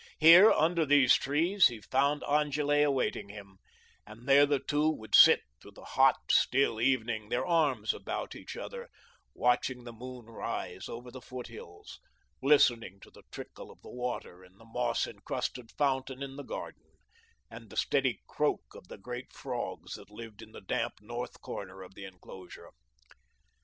Here, under these trees, he found Angele awaiting him, and there the two would sit through the hot, still evening, their arms about each other, watching the moon rise over the foothills, listening to the trickle of the water in the moss encrusted fountain in the garden, and the steady croak of the great frogs that lived in the damp north corner of the enclosure.